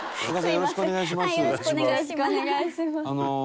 よろしくお願いします。